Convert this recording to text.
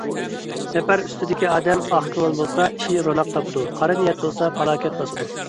سەپەر ئۈستىدىكى ئادەم ئاق كۆڭۈل بولسا ئىشى روناق تاپىدۇ، قارا نىيەت بولسا پالاكەت باسىدۇ.